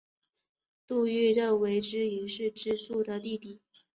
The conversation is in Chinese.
杜预认为知盈是知朔的弟弟。